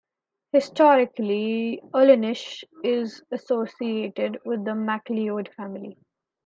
Historically, Ullinish is associated with the MacLeod family.